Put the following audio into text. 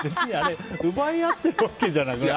奪い合ってるわけじゃないけど。